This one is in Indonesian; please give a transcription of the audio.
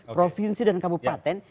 provinsi dan kabupaten